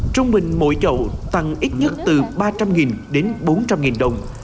trong mình mỗi chậu tăng ít nhất từ ba trăm linh đến bốn trăm linh đồng